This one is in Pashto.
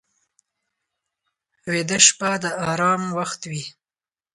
ویده شپه د ارامتیا وخت وي